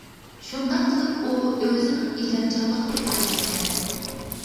شۇنداق قىلىپ ئۇ ئۆزىنىڭ ئىجادچانلىقىنى كۆرسەتكەن.